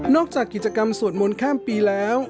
จากกิจกรรมสวดมนต์ข้ามปีแล้ว